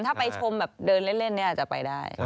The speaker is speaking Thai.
ถ้าไปชมแบบเดินเล่นเนี่ยจะไปได้